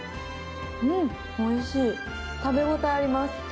うんおいしい食べ応えあります